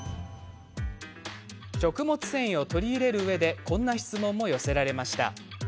食物繊維をとり入れるうえでこんな質問も寄せられました。